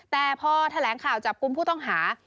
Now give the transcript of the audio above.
แต่พอแถลงข่าวจับกลุ่มผู้ต้องหา